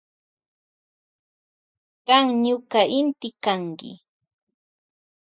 Kan kanki ñuka inti.